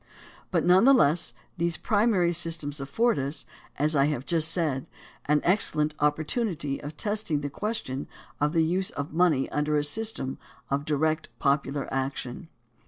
But none the less these primary systems afford uS; as I have just said; an excellent opportunity of testing the question of the use of money under a system of direct popular action.